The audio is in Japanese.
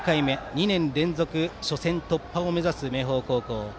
２年連続初戦突破を目指す明豊高校。